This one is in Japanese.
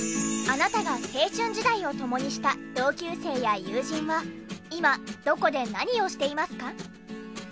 あなたが青春時代を共にした同級生や友人は今どこで何をしていますか？